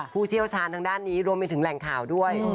ผู้เชี่ยวชาญทางด้านนี้รวมไปถึงแหล่งข่าวด้วย